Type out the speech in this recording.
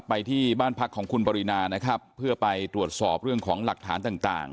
ไปที่บ้านพักของคุณปรินานะครับเพื่อไปตรวจสอบเรื่องของหลักฐานต่างต่าง